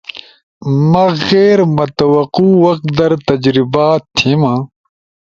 ما غیر متوقع وقت در تجربہ تھیما